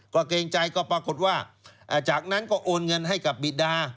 ก็เกรงใจก็ปรากฏว่าจากนั้นก็โอนเงินให้กับบิดา